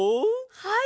はい！